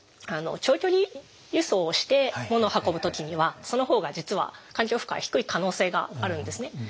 長距離輸送をしてものを運ぶ時にはその方が実は環境負荷が低い可能性があるんですね。